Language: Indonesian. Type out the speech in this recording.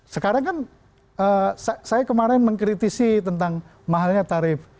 sekarang kan saya kemarin mengkritisi tentang mahalnya tarif